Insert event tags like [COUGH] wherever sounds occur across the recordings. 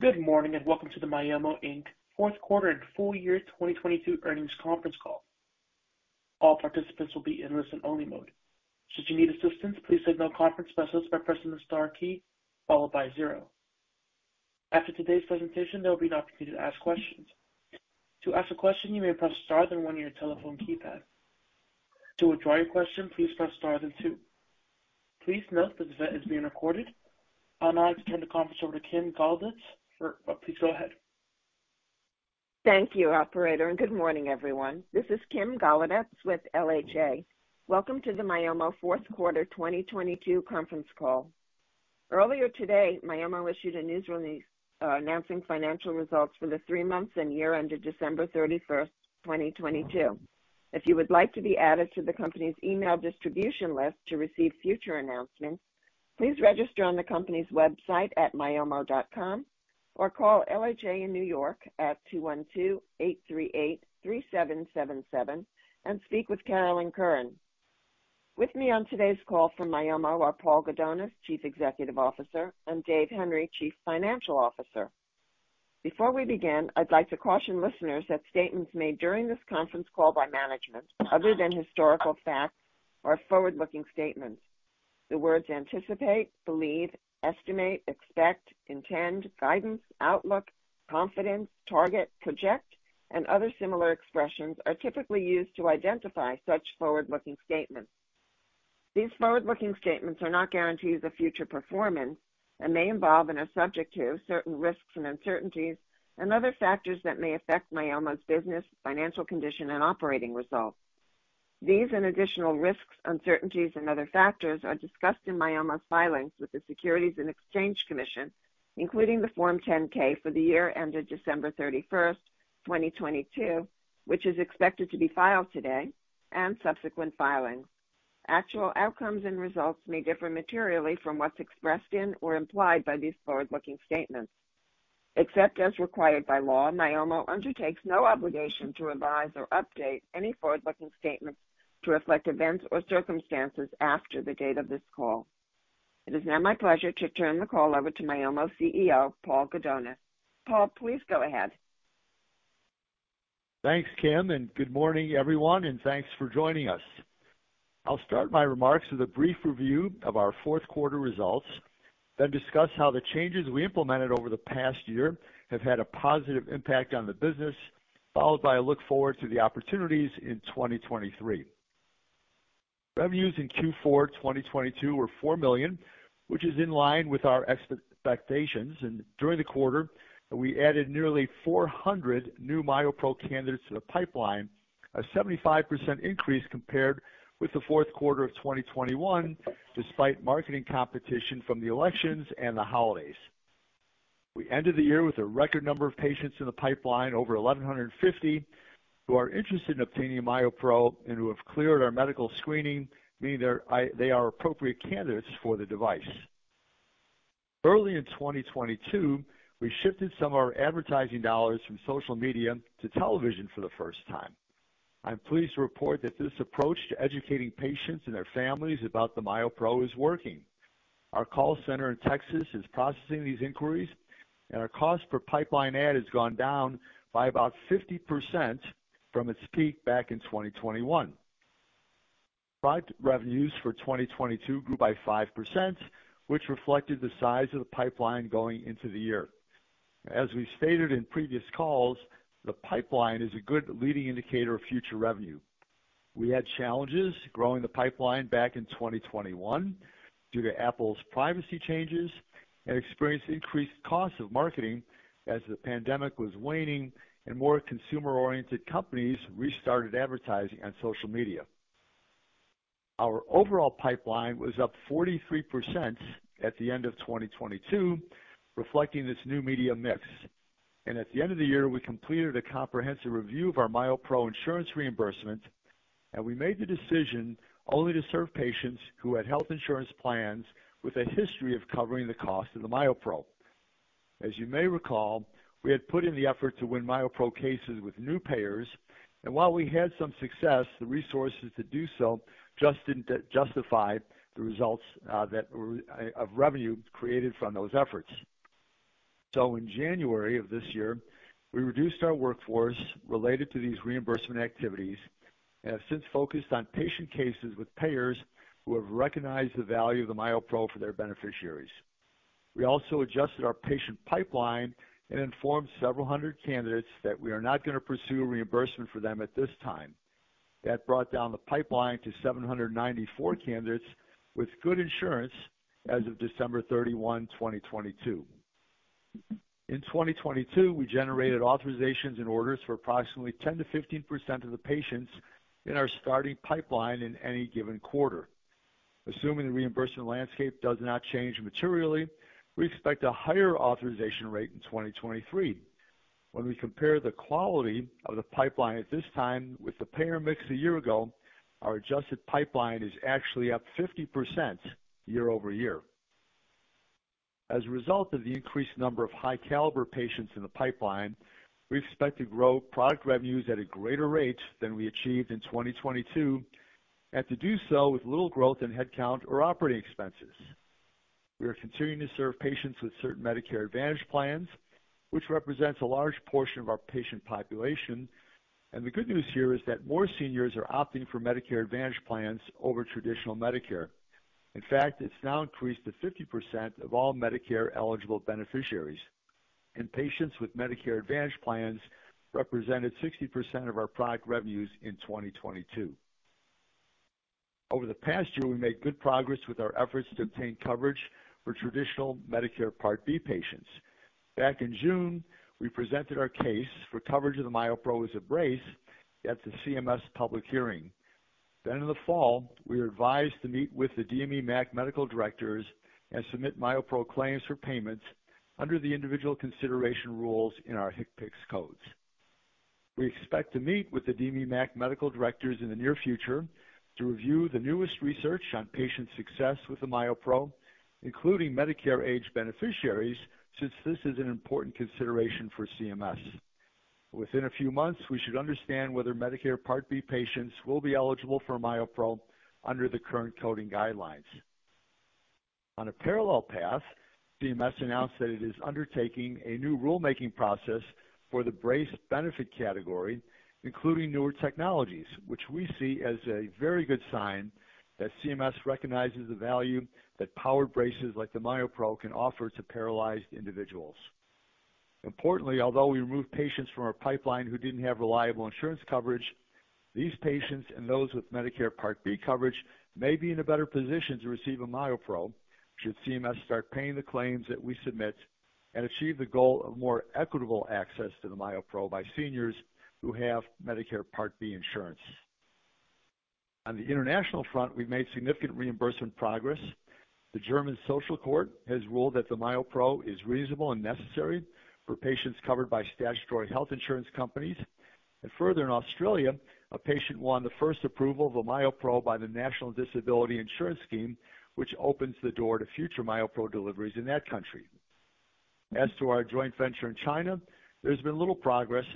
Good morning. Welcome to the Myomo Inc. fourth quarter and full year 2022 earnings conference call. All participants will be in listen-only mode. Should you need assistance, please signal conference vessels by pressing the star key followed by zero. After today's presentation, there will be an opportunity to ask questions. To ask a question, you may press star then one on your telephone keypad. To withdraw your question, please press star then two. Please note that this event is being recorded. I'll now turn the conference over to Kim Golodetz. Please go ahead. Thank you, operator, and good morning, everyone. This is Kim Golodetz with LHA. Welcome to the Myomo fourth quarter 2022 conference call. Earlier today, Myomo issued a news release, announcing financial results for the three months and year ended December 31st, 2022. If you would like to be added to the company's email distribution list to receive future announcements, please register on the company's website at myomo.com or call LHA in New York at 212-838-3777 and speak with Carolyn Curran. With me on today's call from Myomo are Paul Gudonis, Chief Executive Officer, and Dave Henry, Chief Financial Officer. Before we begin, I'd like to caution listeners that statements made during this conference call by management, other than historical facts, are forward-looking statements. The words anticipate, believe, estimate, expect, intend, guidance, outlook, confidence, target, project, and other similar expressions are typically used to identify such forward-looking statements. These forward-looking statements are not guarantees of future performance and may involve and are subject to certain risks and uncertainties and other factors that may affect Myomo's business, financial condition, and operating results. These and additional risks, uncertainties, and other factors are discussed in Myomo's filings with the Securities and Exchange Commission, including the Form 10-K for the year ended December 31st, 2022, which is expected to be filed today, and subsequent filings. Actual outcomes and results may differ materially from what's expressed in or implied by these forward-looking statements. Except as required by law, Myomo undertakes no obligation to revise or update any forward-looking statements to reflect events or circumstances after the date of this call. It is now my pleasure to turn the call over to Myomo CEO, Paul Gudonis. Paul, please go ahead. Thanks, Kim, and good morning, everyone, and thanks for joining us. I'll start my remarks with a brief review of our fourth quarter results, then discuss how the changes we implemented over the past year have had a positive impact on the business, followed by a look forward to the opportunities in 2023. Revenues in Q4 2022 were $4 million, which is in line with our expectations. During the quarter, we added nearly 400 new MyoPro candidates to the pipeline, a 75% increase compared with the fourth quarter of 2021, despite marketing competition from the elections and the holidays. We ended the year with a record number of patients in the pipeline, over 1,150, who are interested in obtaining MyoPro and who have cleared our medical screening, meaning they're, they are appropriate candidates for the device. Early in 2022, we shifted some of our advertising dollars from social media to television for the first time. I'm pleased to report that this approach to educating patients and their families about the MyoPro is working. Our call center in Texas is processing these inquiries, and our cost per pipeline add has gone down by about 50% from its peak back in 2021. Product revenues for 2022 grew by 5%, which reflected the size of the pipeline going into the year. As we stated in previous calls, the pipeline is a good leading indicator of future revenue. We had challenges growing the pipeline back in 2021 due to Apple's privacy changes and experienced increased costs of marketing as the pandemic was waning and more consumer-oriented companies restarted advertising on social media. Our overall pipeline was up 43% at the end of 2022, reflecting this new media mix. At the end of the year, we completed a comprehensive review of our MyoPro insurance reimbursement, and we made the decision only to serve patients who had health insurance plans with a history of covering the cost of the MyoPro. As you may recall, we had put in the effort to win MyoPro cases with new payers, and while we had some success, the resources to do so just didn't justify the results that were of revenue created from those efforts. In January of this year, we reduced our workforce related to these reimbursement activities and have since focused on patient cases with payers who have recognized the value of the MyoPro for their beneficiaries. We also adjusted our patient pipeline and informed several hundred candidates that we are not gonna pursue reimbursement for them at this time. That brought down the pipeline to 794 candidates with good insurance as of December 31, 2022. In 2022, we generated authorizations and orders for approximately 10%-15% of the patients in our starting pipeline in any given quarter. Assuming the reimbursement landscape does not change materially, we expect a higher authorization rate in 2023. When we compare the quality of the pipeline at this time with the payer mix a year ago, our adjusted pipeline is actually up 50% year-over-year. As a result of the increased number of high-caliber patients in the pipeline, we expect to grow product revenues at a greater rate than we achieved in 2022. To do so with little growth in headcount or operating expenses. We are continuing to serve patients with certain Medicare Advantage plans, which represents a large portion of our patient population. The good news here is that more seniors are opting for Medicare Advantage plans over traditional Medicare. In fact, it's now increased to 50% of all Medicare-eligible beneficiaries, and patients with Medicare Advantage plans represented 60% of our product revenues in 2022. Over the past year, we made good progress with our efforts to obtain coverage for traditional Medicare Part B patients. Back in June, we presented our case for coverage of the MyoPro as a brace at the CMS public hearing. In the fall, we were advised to meet with the DME MAC medical directors and submit MyoPro claims for payments under the individual consideration rules in our HCPCS codes. We expect to meet with the DME MAC medical directors in the near future to review the newest research on patient success with the MyoPro, including Medicare-aged beneficiaries, since this is an important consideration for CMS. Within a few months, we should understand whether Medicare Part B patients will be eligible for MyoPro under the current coding guidelines. On a parallel path, CMS announced that it is undertaking a new rulemaking process for the brace benefit category, including newer technologies, which we see as a very good sign that CMS recognizes the value that powered braces like the MyoPro can offer to paralyzed individuals. Importantly, although we removed patients from our pipeline who didn't have reliable insurance coverage, these patients and those with Medicare Part B coverage may be in a better position to receive a MyoPro should CMS start paying the claims that we submit and achieve the goal of more equitable access to the MyoPro by seniors who have Medicare Part B insurance. On the international front, we've made significant reimbursement progress. The Federal Social Court has ruled that the MyoPro is reasonable and necessary for patients covered by statutory health insurance companies. Further, in Australia, a patient won the first approval of a MyoPro by the National Disability Insurance Scheme, which opens the door to future MyoPro deliveries in that country. As to our joint venture in China, there's been little progress.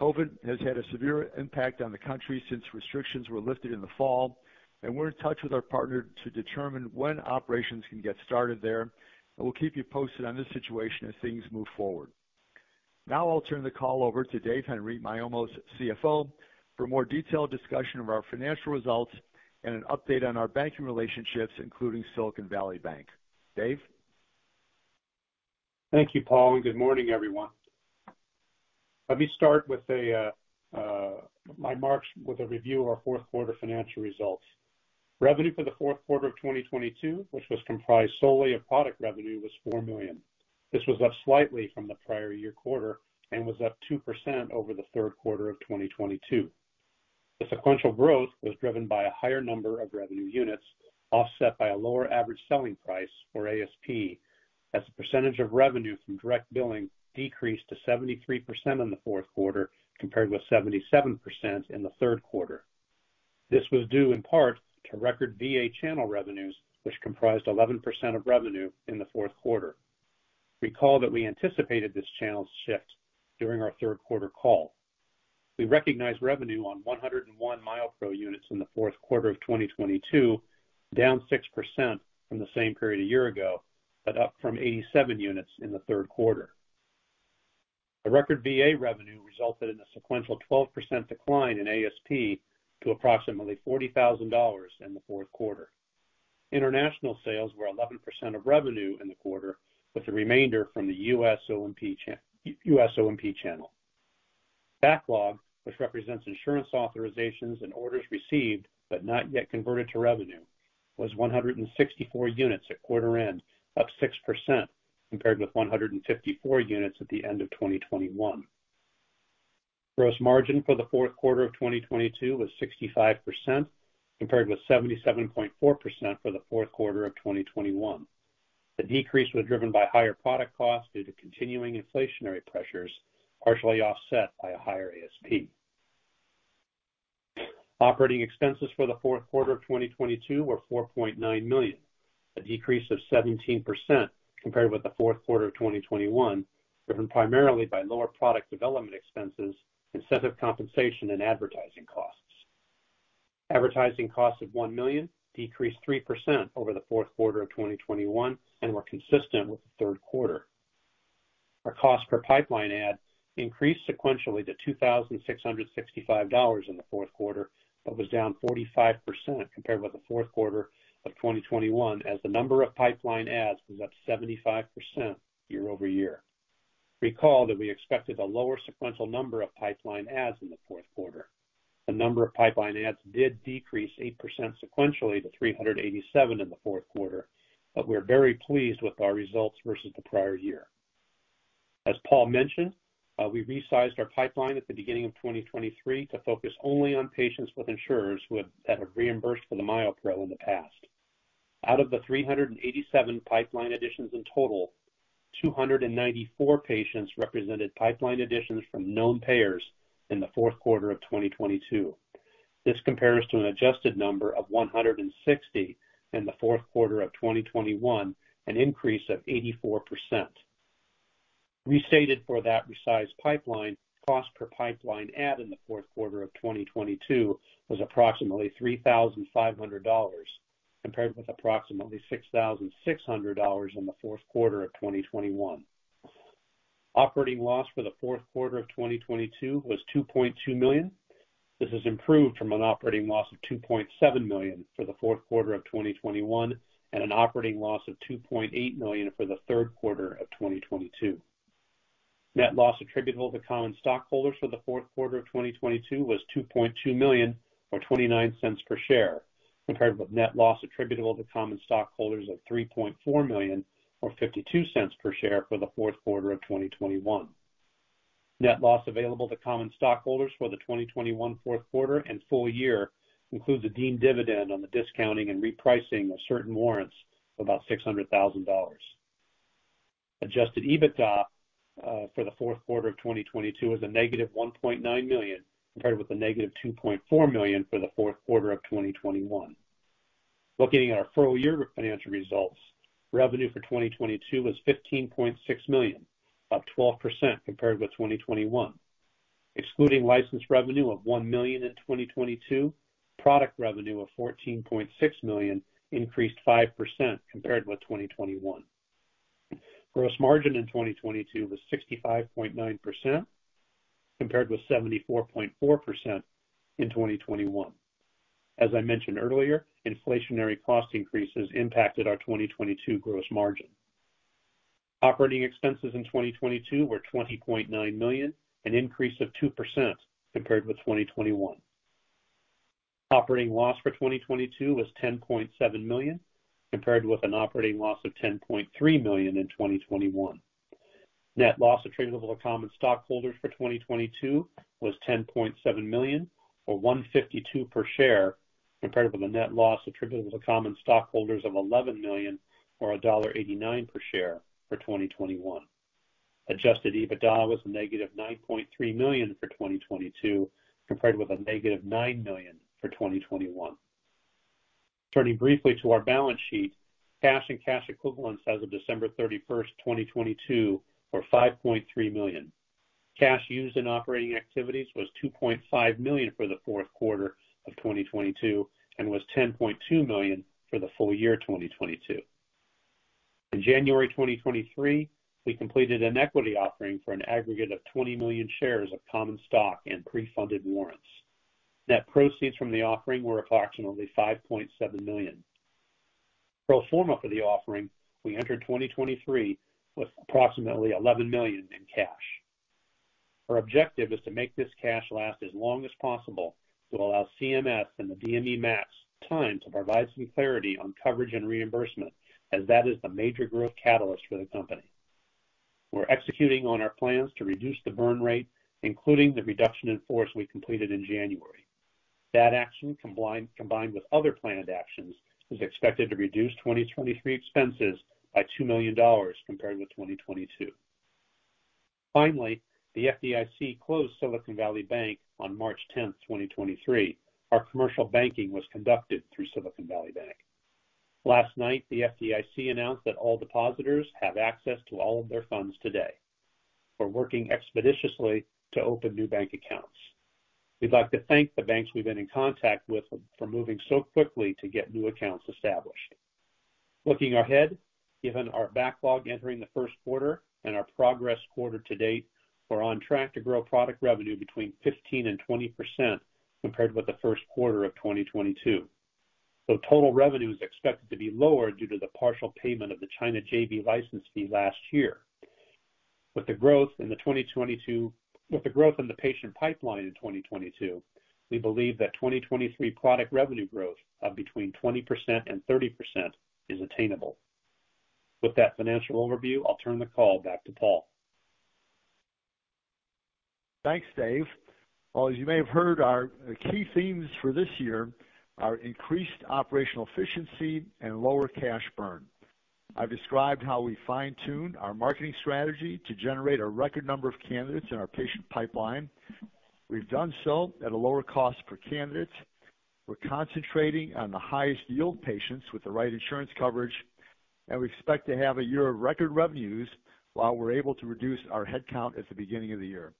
COVID has had a severe impact on the country since restrictions were lifted in the fall, and we're in touch with our partner to determine when operations can get started there. We'll keep you posted on this situation as things move forward. Now I'll turn the call over to Dave Henry, Myomo's CFO, for a more detailed discussion of our financial results and an update on our banking relationships, including Silicon Valley Bank. Dave? Thank you, Paul. Good morning, everyone. Let me start with my remarks with a review of our fourth quarter financial results. Revenue for the fourth quarter of 2022, which was comprised solely of product revenue, was $4 million. This was up slightly from the prior year quarter and was up 2% over the third quarter of 2022. The sequential growth was driven by a higher number of revenue units, offset by a lower average selling price, or ASP, as the percentage of revenue from direct billing decreased to 73% in the fourth quarter, compared with 77% in the third quarter. This was due in part to record VA channel revenues, which comprised 11% of revenue in the fourth quarter. Recall that we anticipated this channel shift during our third quarter call. We recognized revenue on 101 MyoPro units in the fourth quarter of 2022, down 6% from the same period a year ago, but up from 87 units in the third quarter. The record VA revenue resulted in a sequential 12% decline in ASP to approximately $40,000 in the fourth quarter. International sales were 11% of revenue in the quarter, with the remainder from the US O&P channel. Backlog, which represents insurance authorizations and orders received but not yet converted to revenue, was 164 units at quarter end, up 6% compared with 154 units at the end of 2021. Gross margin for the fourth quarter of 2022 was 65%, compared with 77.4% for the fourth quarter of 2021. The decrease was driven by higher product costs due to continuing inflationary pressures, partially offset by a higher ASP. Operating expenses for the fourth quarter of 2022 were $4.9 million, a decrease of 17% compared with the fourth quarter of 2021, driven primarily by lower product development expenses, incentive compensation, and advertising costs. Advertising costs of $1 million decreased 3% over the fourth quarter of 2021 and were consistent with the third quarter. Our cost per pipeline add increased sequentially to $2,665 in the fourth quarter, but was down 45% compared with the fourth quarter of 2021, as the number of pipeline ads was up 75% year-over-year. Recall that we expected a lower sequential number of pipeline ads in the fourth quarter. The number of pipeline adds did decrease 8% sequentially to 387 in the fourth quarter. We are very pleased with our results versus the prior year. As Paul mentioned, we resized our pipeline at the beginning of 2023 to focus only on patients with insurers that have reimbursed for the MyoPro in the past. Out of the 387 pipeline additions in total, 294 patients represented pipeline additions from known payers in the fourth quarter of 2022. This compares to an adjusted number of 160 in the fourth quarter of 2021, an increase of 84%. Restated for that resized pipeline, cost per pipeline add in the fourth quarter of 2022 was approximately $3,500, compared with approximately $6,600 in the fourth quarter of 2021. Operating loss for the fourth quarter of 2022 was $2.2 million. This has improved from an operating loss of $2.7 million for the fourth quarter of 2021 and an operating loss of $2.8 million for the third quarter of 2022. Net loss attributable to common stockholders for the fourth quarter of 2022 was $2.2 million, or $0.29 per share, compared with net loss attributable to common stockholders of $3.4 million or $0.52 per share for the fourth quarter of 2021. Net loss available to common stockholders for the 2021 fourth quarter and full year includes a deemed dividend on the discounting and repricing of certain warrants of about $600,000. Adjusted EBITDA for the fourth quarter of 2022 was a negative $1.9 million, compared with a negative $2.4 million for the fourth quarter of 2021. Looking at our full year financial results. Revenue for 2022 was $15.6 million, up 12% compared with 2021. Excluding license revenue of $1 million in 2022, product revenue of $14.6 million increased 5% compared with 2021. Gross margin in 2022 was 65.9% compared with 74.4% in 2021. As I mentioned earlier, inflationary cost increases impacted our 2022 gross margin. Operating expenses in 2022 were $20.9 million, an increase of 2% compared with 2021. Operating loss for 2022 was $10.7 million, compared with an operating loss of $10.3 million in 2021. Net loss attributable to common stockholders for 2022 was $10.7 million or $1.52 per share, compared with a net loss attributable to common stockholders of $11 million or $1.89 per share for 2021. Adjusted EBITDA was a negative $9.3 million for 2022, compared with a negative $9 million for 2021. Turning briefly to our balance sheet. Cash and cash equivalents as of December 31, 2022 were $5.3 million. Cash used in operating activities was $2.5 million for the fourth quarter of 2022 and was $10.2 million for the full year 2022. In January 2023, we completed an equity offering for an aggregate of 20 million shares of common stock and pre-funded warrants. Net proceeds from the offering were approximately $5.7 million. Pro forma for the offering, we entered 2023 with approximately $11 million in cash. Our objective is to make this cash last as long as possible to allow CMS and the DME MACs time to provide some clarity on coverage and reimbursement as that is the major growth catalyst for the company. We're executing on our plans to reduce the burn rate, including the reduction in force we completed in January. That action, combined with other planned actions, is expected to reduce 2023 expenses by $2 million compared with 2022. The FDIC closed Silicon Valley Bank on March 10th, 2023. Our commercial banking was conducted through Silicon Valley Bank. Last night, the FDIC announced that all depositors have access to all of their funds today. We're working expeditiously to open new bank accounts. We'd like to thank the banks we've been in contact with for moving so quickly to get new accounts established. Looking ahead, given our backlog entering the first quarter and our progress quarter to date, we're on track to grow product revenue between 15% and 20% compared with the first quarter of 2022. Total revenue is expected to be lower due to the partial payment of the China JV license fee last year. With the growth in the patient pipeline in 2022, we believe that 2023 product revenue growth of between 20% and 30% is attainable. With that financial overview, I'll turn the call back to Paul. Thanks, Dave. As you may have heard, our key themes for this year are increased operational efficiency and lower cash burn. I've described how we fine-tune our marketing strategy to generate a record number of candidates in our patient pipeline. We've done so at a lower cost per candidate. We're concentrating on the highest yield patients with the right insurance coverage, and we expect to have a year of record revenues while we're able to reduce our headcount at the beginning of the year.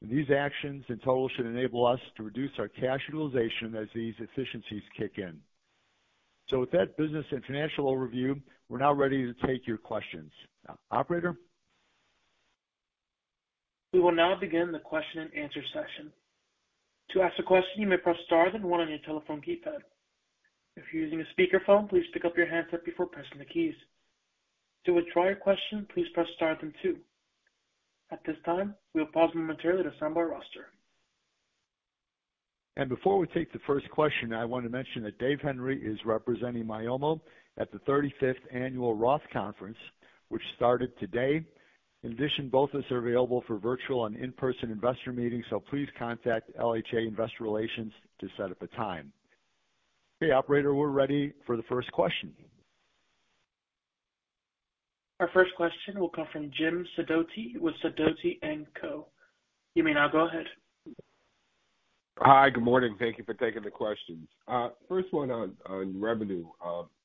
These actions in total should enable us to reduce our cash utilization as these efficiencies kick in. With that business and financial overview, we're now ready to take your questions. Operator? We will now begin the question-and-answer session. To ask a question, you may press star then one on your telephone keypad. If you're using a speakerphone, please pick up your handset before pressing the keys. To withdraw your question, please press star then two. At this time, we'll pause momentarily to assemble our roster. Before we take the first question, I want to mention that Dave Henry is representing Myomo at the 35th Annual Roth Conference, which started today. In addition, both of us are available for virtual and in-person investor meetings, so please contact LHA Investor Relations to set up a time. Okay, operator, we're ready for the first question. Our first question will come from Jim Sidoti with Sidoti & Co. You may now go ahead. Hi, good morning. Thank you for taking the questions. First one on revenue.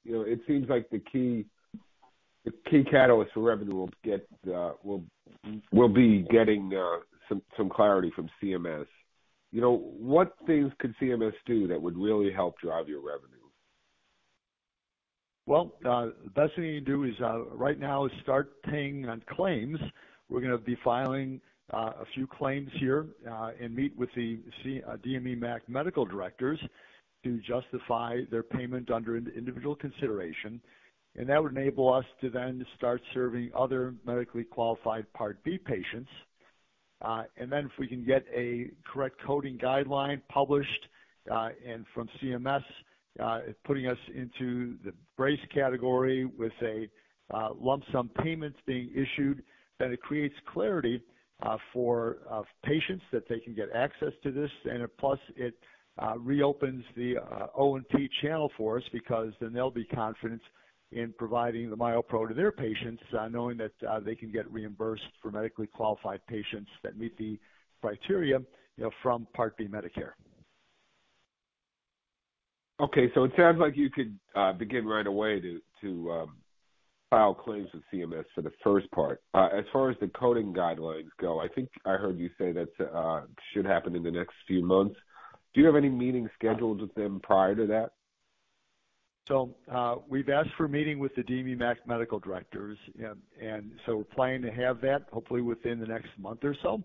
You know, it seems like the key catalyst for revenue will be getting some clarity from CMS. You know, what things could CMS do that would really help drive your revenue? Well, the best thing you can do is right now is start paying on claims. We're gonna be filing a few claims here, and meet with the DME MAC medical directors to justify their payment under an individual consideration. That would enable us to then start serving other medically qualified Part B patients. Then if we can get a correct coding guideline published, and from CMS, putting us into the brace category with a lump sum payments being issued, then it creates clarity, for patients that they can get access to this. Plus it reopens the O&P channel for us because then they'll be confident in providing the MyoPro to their patients, knowing that they can get reimbursed for medically qualified patients that meet the criteria, you know, from Part B Medicare. Okay. It sounds like you could begin right away to file claims with CMS for the first part. As far as the coding guidelines go, I think I heard you say that should happen in the next few months. Do you have any meetings scheduled with them prior to that? We've asked for a meeting with the DME MAC medical directors and so we're planning to have that hopefully within the next month or so.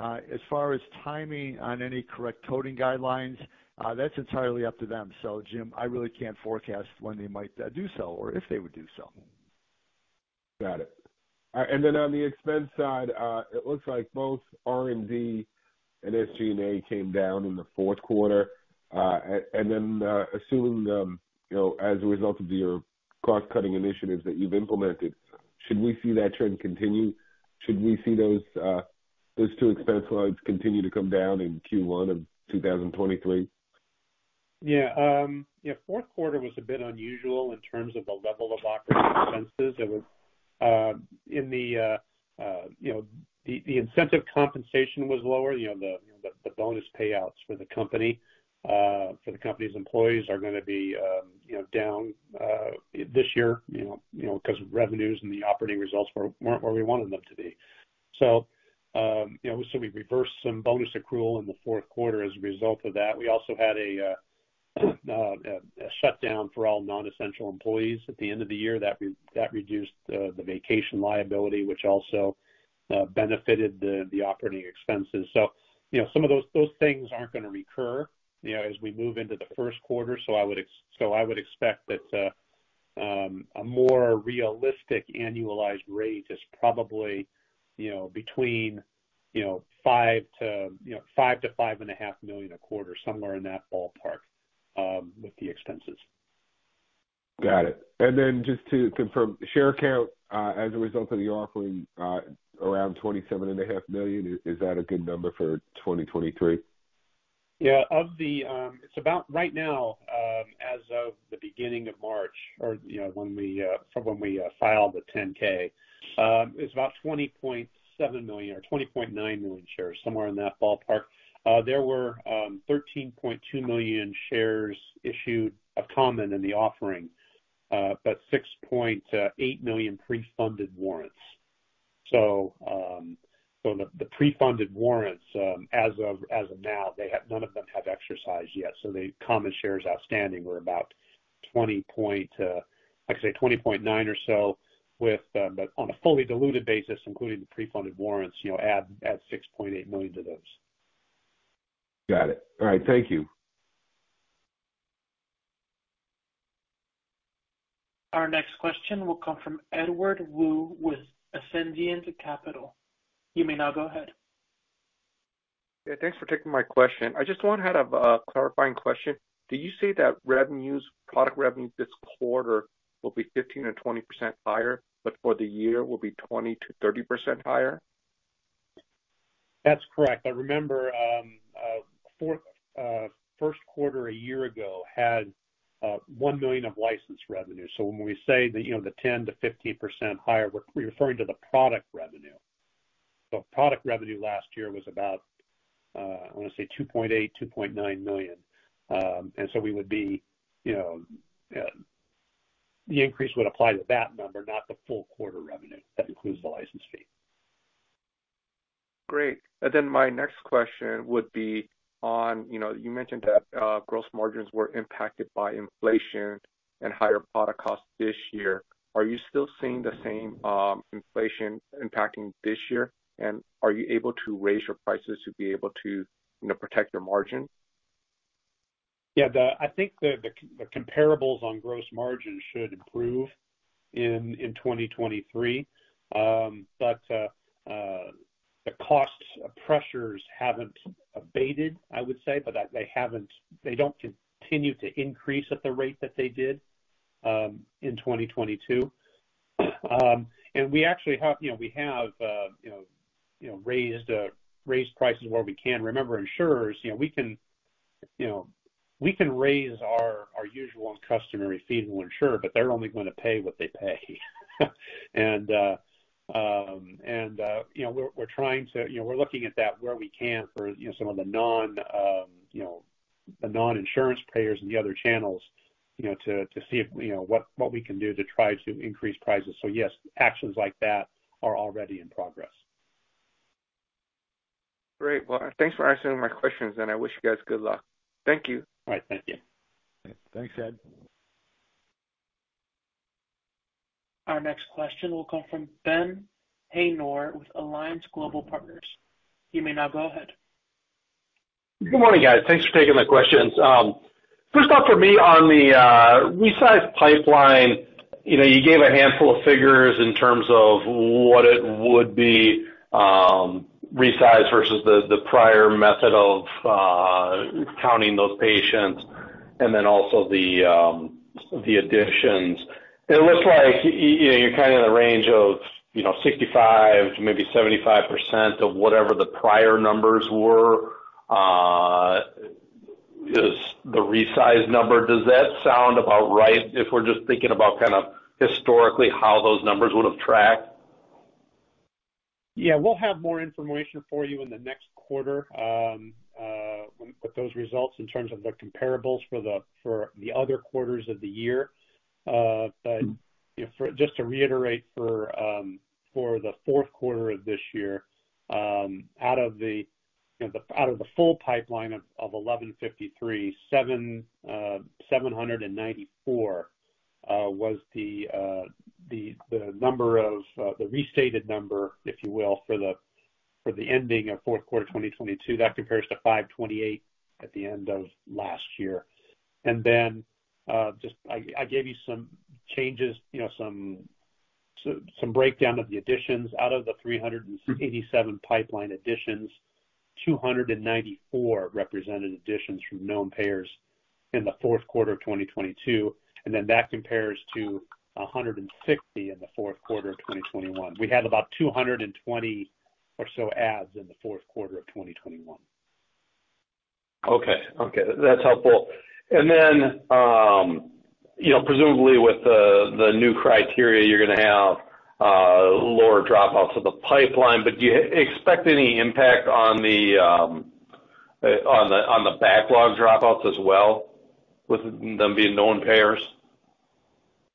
As far as timing on any correct coding guidelines, that's entirely up to them. Jim, I really can't forecast when they might do so or if they would do so. Got it. On the expense side, it looks like both R&D and SG&A came down in the fourth quarter. You know, as a result of your cost-cutting initiatives that you've implemented, should we see that trend continue? Should we see those two expense lines continue to come down in Q1 of 2023? Fourth quarter was a bit unusual in terms of the level of operating expenses. It was, you know, the incentive compensation was lower. The bonus payouts for the company, for the company's employees are gonna be, you know, down this year, 'cause of revenues and the operating results weren't where we wanted them to be. You know, we reversed some bonus accrual in the fourth quarter as a result of that. We also had a shutdown for all non-essential employees at the end of the year that reduced the vacation liability, which also benefited the operating expenses. You know, some of those things aren't gonna recur, you know, as we move into the first quarter. I would expect that a more realistic annualized rate is probably, you know, between $5 million-$5.5 million a quarter, somewhere in that ballpark, with the expenses. Got it. Then just to confirm, share count, as a result of the offering, around $27.5 million, is that a good number for 2023? It's about right now, as of the beginning of March or, you know, when we, from when we, filed the Form 10-K, it's about $20.7 million or $20.9 million shares, somewhere in that ballpark. There were $13.2 million shares issued of common in the offering, but 6.8 million pre-funded warrants. The pre-funded warrants, as of, as of now, none of them have exercised yet. The common shares outstanding were about $20.9 million or so with, but on a fully diluted basis, including the pre-funded warrants, you know, add $6.8 million to those. Got it. All right, thank you. Our next question will come from Edward Woo with Ascendiant Capital. You may now go ahead. Yeah, thanks for taking my question. I just want to have a clarifying question. Do you say that revenues, product revenues this quarter will be 15% or 20% higher, but for the year will be 20%-30% higher? That's correct. Remember, first quarter a year ago had $1 million of licensed revenue. When we say that, you know, the 10%-15% higher, we're referring to the product revenue. Product revenue last year was about, I wanna say $2.8 million-$2.9 million. We would be, you know, the increase would apply to that number, not the full quarter revenue that includes the license fee. Great. My next question would be on, you know, you mentioned that gross margins were impacted by inflation and higher product costs this year. Are you still seeing the same inflation impacting this year? Are you able to raise your prices to be able to, you know, protect your margin? Yeah, I think the comparables on gross margins should improve in 2023. The costs pressures haven't abated, I would say, but they don't continue to increase at the rate that they did in 2022. We actually have, you know, raised prices where we can. Remember insurers, you know, we can, you know, we can raise our usual customary fee to insure, but they're only gonna pay what they pay. You know, we're looking at that where we can for, you know, some of the non, the non-insurance payers and the other channels, you know, to see if, what we can do to try to increase prices. Yes, actions like that are already in progress. Great. Well, thanks for answering my questions, and I wish you guys good luck. Thank you. All right. Thank you. Thanks, Ed. Our next question will come from Ben Haynor with Alliance Global Partners. You may now go ahead. Good morning, guys. Thanks for taking my questions. First off for me on the resize pipeline, you know, you gave a handful of figures in terms of what it would be, resized versus the prior method of counting those patients and then also the additions. It looks like, you know, you're kind of in the range of, you know, 65% to maybe 75% of whatever the prior numbers were, is the resize number. Does that sound about right if we're just thinking about kind of historically how those numbers would have tracked? Yeah. We'll have more information for you in the next quarter, with those results in terms of the comparables for the other quarters of the year. But, you know, just to reiterate for the fourth quarter of this year, out of the, you know, out of the full pipeline of 1,153, 794 was the number of the restated number, if you will, for the ending of fourth quarter of 2022. That compares to 528 at the end of last year. Then, just I gave you some changes, you know, some breakdown of the additions. Out of the 387 pipeline additions, 294 represented additions from known payers in the fourth quarter of 2022. That compares to 160 in the fourth quarter of 2021. We had about 220 or so adds in the fourth quarter of 2021. Okay. Okay, that's helpful. You know, presumably with the new criteria, you're gonna have lower dropouts of the pipeline, but do you expect any impact on the backlog dropouts as well, with them being known payers?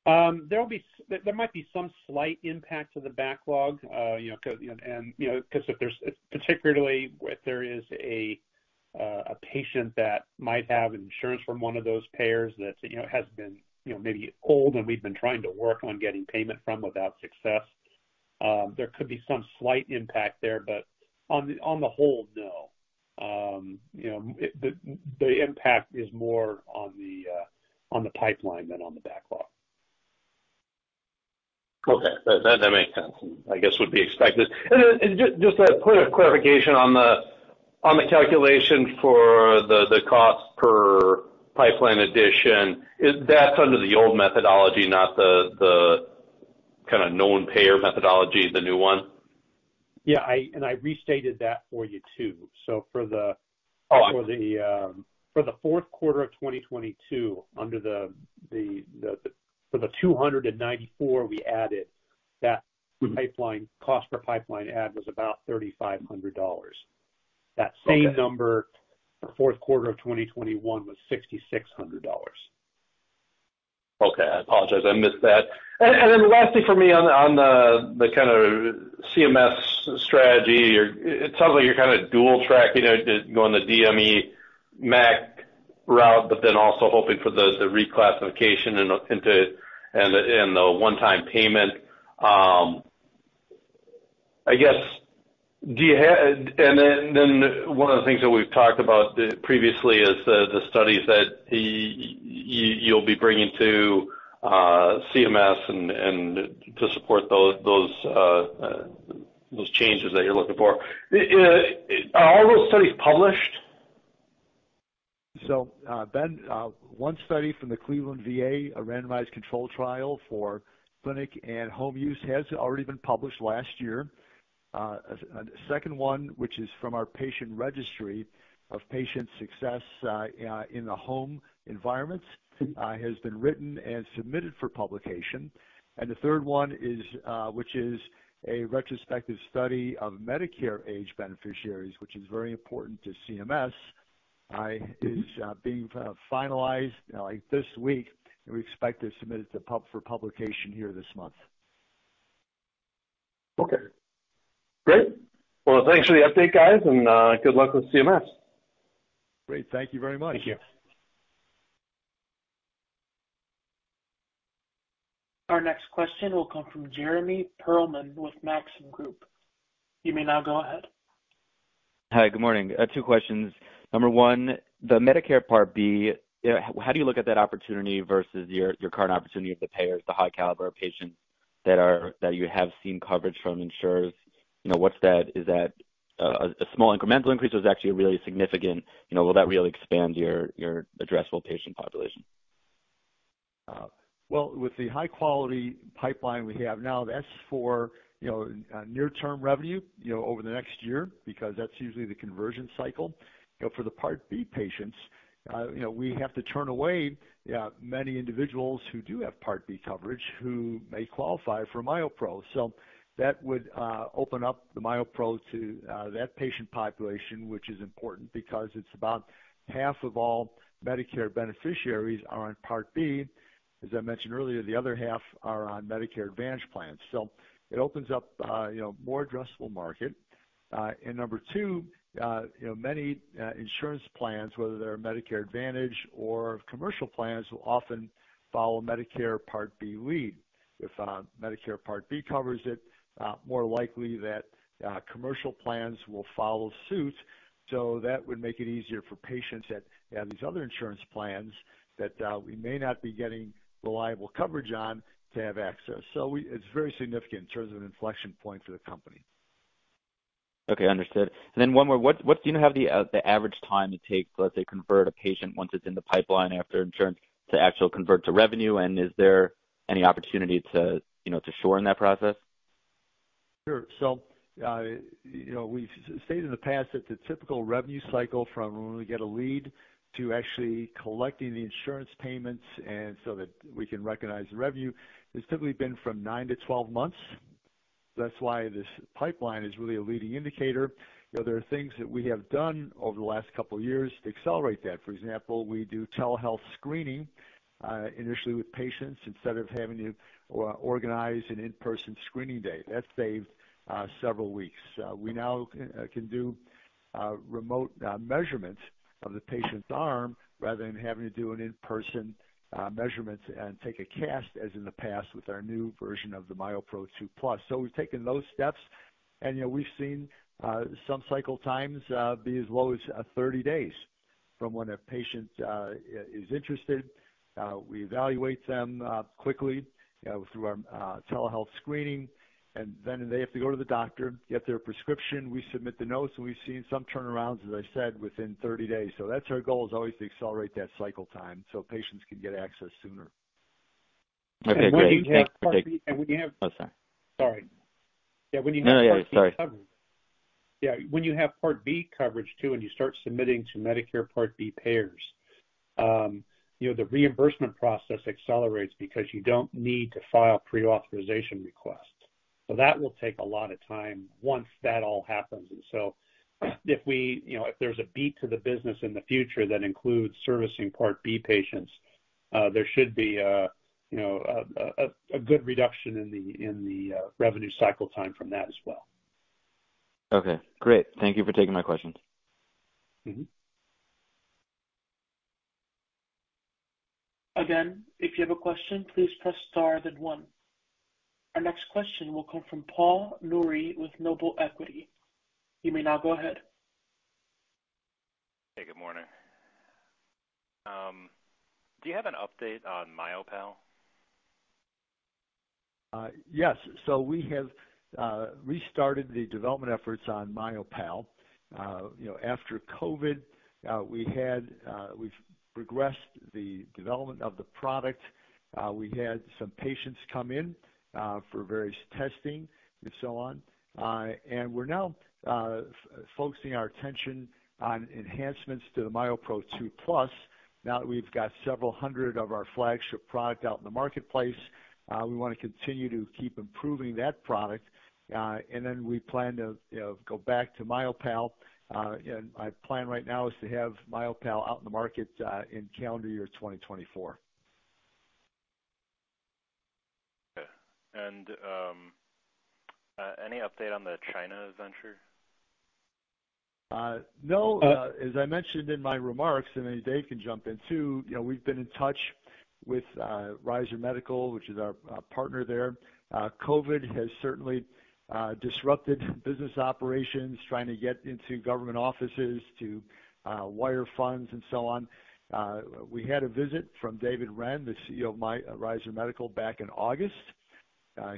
There might be some slight impact to the backlog, you know, Particularly if there is a patient that might have insurance from one of those payers that, you know, has been, you know, maybe old and we've been trying to work on getting payment from without success, there could be some slight impact there. On the whole, no. You know, the impact is more on the pipeline than on the backlog. Okay. That makes sense. I guess would be expected. Then just a point of clarification on the calculation for the cost per pipeline addition. That's under the old methodology, not the kind of known payer methodology, the new one? Yeah. I restated that for you, too. Oh, okay. For the fourth quarter of 2022. For the 294 we added, that pipeline, cost per pipeline add was about $3,500. Okay. That same number for fourth quarter of 2021 was $6,600. Okay. I apologize. I missed that. Then lastly for me on the kinda CMS strategy. It sounds like you're kinda dual tracking it, going the DME MAC route, but then also hoping for the reclassification and the one-time payment. Then one of the things that we've talked about the previously is the studies that you'll be bringing to CMS and to support those changes that you're looking for. Are all those studies published? Ben, one study from the Cleveland VA, a randomized control trial for clinic and home use, has already been published last year. A second one, which is from our patient registry of patient success in the home environments has been written and submitted for publication. The third one is, which is a retrospective study of Medicare age beneficiaries, which is very important to CMS, is being finalized like this week, and we expect to submit it to pub for publication here this month. Okay. Great. Well, thanks for the update, guys, and good luck with CMS. Great. Thank you very much. Thank you. Our next question will come from Jeremy Pearlman with Maxim Group. You may now go ahead. Hi. Good morning. two questions. Number one, the Medicare Part B, how do you look at that opportunity versus your current opportunity with the payers, the high caliber patients that you have seen coverage from insurers? You know, what's that? Is that, a small incremental increase or is it actually a really significant... You know, will that really expand your addressable patient population? Well, with the high quality pipeline we have now, that's for, you know, near-term revenue, you know, over the next year, because that's usually the conversion cycle. You know, for the Part B patients, you know, we have to turn away many individuals who do have Part B coverage who may qualify for MyoPro. That would open up the MyoPro to that patient population, which is important because it's about half of all Medicare beneficiaries are on Part B. As I mentioned earlier, the other half are on Medicare Advantage plans. It opens up, you know, more addressable market. Number two, you know, many insurance plans, whether they're Medicare Advantage or commercial plans, will often follow Medicare Part B lead. If Medicare Part B covers it, more likely that commercial plans will follow suit. That would make it easier for patients that have these other insurance plans that we may not be getting reliable coverage on to have access. It's very significant in terms of an inflection point for the company. Okay, understood. Then one more. What do you have the average time it takes, let's say, convert a patient once it's in the pipeline after insurance to actual convert to revenue? Is there any opportunity to, you know, to shorten that process? Sure. You know, we've stated in the past that the typical revenue cycle from when we get a lead to actually collecting the insurance payments and so that we can recognize the revenue has typically been from nine to 12 months. That's why this pipeline is really a leading indicator. You know, there are things that we have done over the last couple of years to accelerate that. For example, we do telehealth screening initially with patients instead of having to organize an in-person screening date. That saves several weeks. We now can do remote measurements of the patient's arm rather than having to do an in-person measurements and take a cast, as in the past, with our new version of the MyoPro 2+. We've taken those steps, and, you know, we've seen, some cycle times, be as low as, 30 days from when a patient, is interested. We evaluate them, quickly, through our, telehealth screening, and then they have to go to the doctor, get their prescription, we submit the notes, and we've seen some turnarounds, as I said, within 30 days. That's our goal is always to accelerate that cycle time so patients can get access sooner. Okay, great. Thanks. when you have [CROSSTALK] Oh, sorry. Sorry. Yeah, when you have Part B coverage- No, no. Yeah, sorry. When you have Part B coverage too, and you start submitting to Medicare Part B payers, you know, the reimbursement process accelerates because you don't need to file pre-authorization requests. That will take a lot of time once that all happens. If you know, if there's a beat to the business in the future that includes servicing Part B patients, there should be, you know, a good reduction in the revenue cycle time from that as well. Okay, great. Thank you for taking my questions. Mm-hmm. Again, if you have a question, please press star, then one. Our next question will come from Paul Nouri with Noble Equity. You may now go ahead. Hey, good morning. Do you have an update on MyoPal? Yes. We have restarted the development efforts on MyoPal. You know, after COVID, we had we've progressed the development of the product. We had some patients come in for various testing and so on. We're now focusing our attention on enhancements to the MyoPro 2+. Now that we've got several hundred of our flagship product out in the marketplace, we wanna continue to keep improving that product. We plan to, you know, go back to MyoPal. Our plan right now is to have MyoPal out in the market in calendar year 2024. Okay. Any update on the China venture? No. As I mentioned in my remarks, and Dave can jump in too, you know, we've been in touch with Ryzur Medical, which is our partner there. COVID has certainly disrupted business operations, trying to get into government offices to wire funds and so on. We had a visit from David Ren, the CEO of Ryzur Medical, back in August.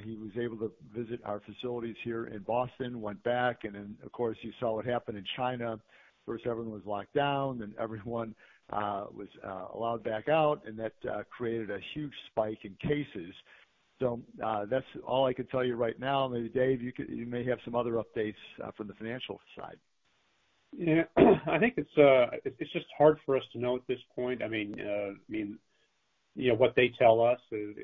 He was able to visit our facilities here in Boston, went back, and then, of course, you saw what happened in China. First, everyone was locked down, then everyone was allowed back out, and that created a huge spike in cases. That's all I can tell you right now. Maybe Dave, you may have some other updates from the financial side. Yeah. I think it's just hard for us to know at this point. I mean, I mean, you know, what they tell us is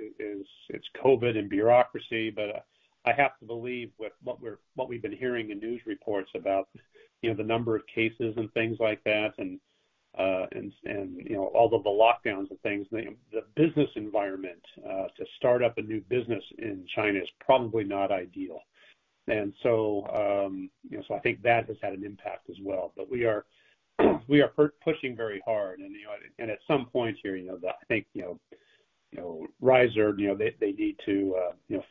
it's COVID and bureaucracy, but I have to believe with what we've been hearing in news reports about, you know, the number of cases and things like that and, you know, all the lockdowns and things. The business environment to start up a new business in China is probably not ideal. You know, I think that has had an impact as well. We are pushing very hard. You know, at some point here, you know, I think, you know, Ryzur, they need to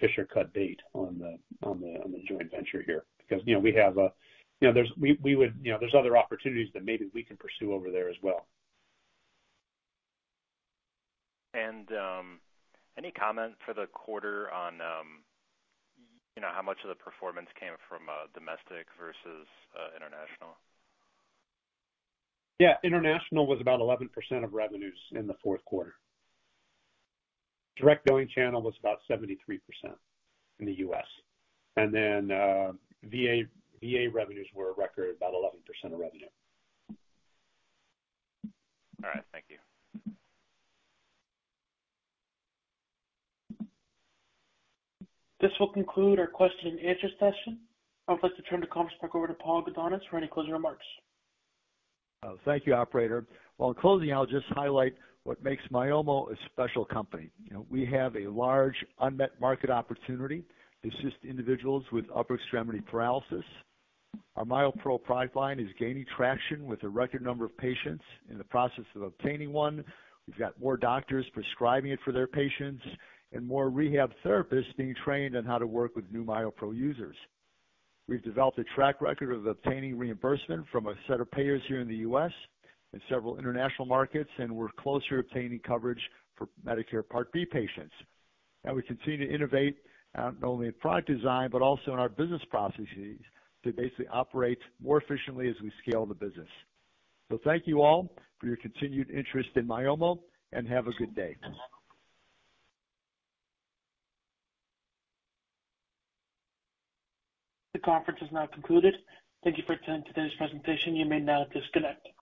fish or cut bait on the joint venture here because, you know, we have, there's other opportunities that maybe we can pursue over there as well. Any comment for the quarter on, you know, how much of the performance came from domestic versus international? Yeah. International was about 11% of revenues in the fourth quarter. Direct going channel was about 73% in the U.S. VA revenues were a record, about 11% of revenue. All right. Thank you. This will conclude our question and answer session. I would like to turn the conference back over to Paul Gudonis for any closing remarks. Oh, thank you, operator. Well, in closing, I'll just highlight what makes Myomo a special company. You know, we have a large unmet market opportunity to assist individuals with upper extremity paralysis. Our MyoPro pipeline is gaining traction with a record number of patients in the process of obtaining one. We've got more doctors prescribing it for their patients and more rehab therapists being trained on how to work with new MyoPro users. We've developed a track record of obtaining reimbursement from a set of payers here in the US and several international markets, and we're closer to obtaining coverage for Medicare Part B patients. We continue to innovate not only in product design, but also in our business processes to basically operate more efficiently as we scale the business. Thank you all for your continued interest in Myomo, and have a good day. The conference is now concluded. Thank you for attending today's presentation. You may now disconnect.